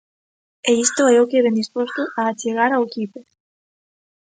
E isto é o que vén disposto a achegar ao equipo.